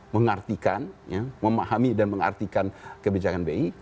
mengartikan memahami dan mengartikan kebijakan bi